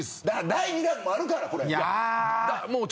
第２弾もあるから。